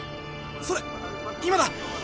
それっ今だ！